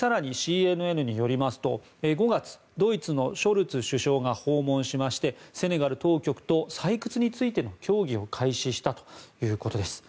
更に、ＣＮＮによりますと５月、ドイツのショルツ首相が訪問しましてセネガル当局と採掘についての協議を開始したということです。